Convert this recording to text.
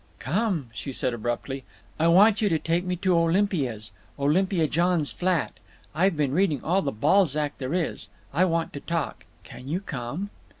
"Come," she said, abruptly. "I want you to take me to Olympia's—Olympia Johns' flat. I've been reading all the Balzac there is. I want to talk. Can you come?"